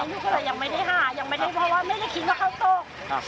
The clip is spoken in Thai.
หนูก็เลยยังไม่ได้หายังไม่ได้เพราะว่าไม่ได้คิดว่าเข้าตก